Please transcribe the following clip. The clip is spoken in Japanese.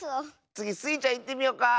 つぎスイちゃんいってみよか！